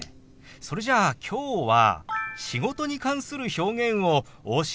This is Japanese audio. それじゃあきょうは「仕事」に関する表現をお教えしましょう。